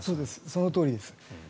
そのとおりです。